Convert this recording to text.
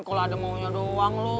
kalau ada maunya doang loh